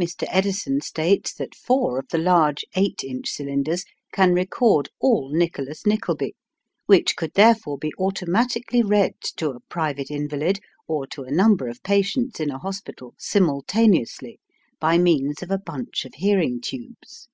Mr. Edison states that four of the large 8 inch cylinders can record all "Nicholas Nickleby," which could therefore be automatically read to a private invalid or to a number of patients in a hospital simultaneously, by means of a bunch of hearing tubes.